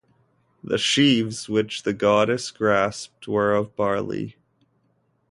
The sheaves which the goddess grasped were of barley.